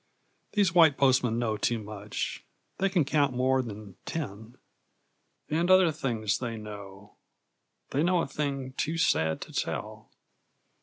These white postmen know too much; they can count more than ten. And other things they know: they know a thing too sad to tell.